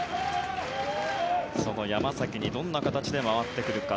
その山崎にどんな形で回ってくるか。